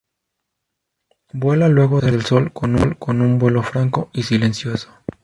Vuela luego de la puesta del sol con un vuelo franco y silencioso.